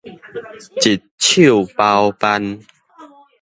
一手包辦